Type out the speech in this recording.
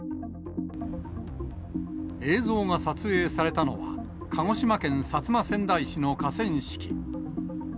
映像が撮影されたのは、鹿児島県薩摩川内市の河川敷。